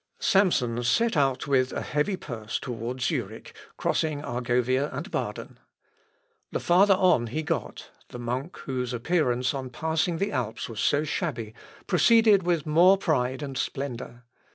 Samson set out with a heavy purse towards Zurich, crossing Argovia and Baden. The farther on he got, the monk, whose appearance on passing the Alps was so shabby, proceeded with more pride and splendour.